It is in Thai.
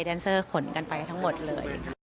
แนนเซอร์ขนกันไปทั้งหมดเลย